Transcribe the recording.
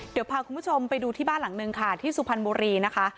เดี๋ยวพาคุณผู้ชมไปดูที่บ้านหลังนึงค่ะที่สุพรรณบุรีนะคะ